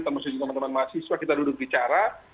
termasuk juga teman teman mahasiswa kita duduk bicara